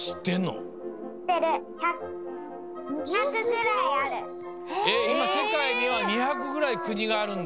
せかいには２００ぐらい国があるんだ。